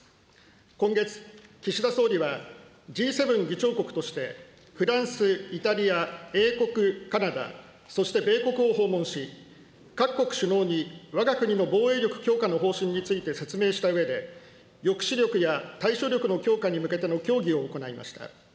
今月、岸田総理は、Ｇ７議長国としてフランス、イタリア、英国、カナダ、そして米国を訪問し、各国首脳にわが国の防衛力強化の方針について説明したうえで、抑止力や対処力の強化に向けての協議を行いました。